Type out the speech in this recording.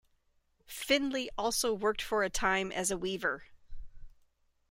Findley also worked for a time as a weaver.